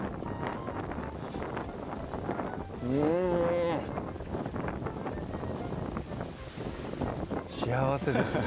うん幸せですね